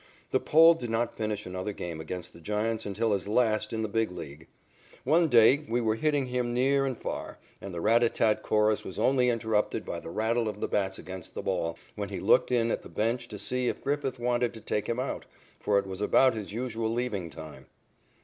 The Pole did not finish another game against the Giants until his last in the Big League. One day we were hitting him near and far, and the "rat a tat tat" chorus was only interrupted by the rattle of the bats against the ball, when he looked in at the bench to see if Griffith wanted to take him out, for it was about his usual leaving time.